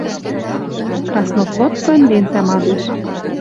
Краснофлотцын лентӓ мадеш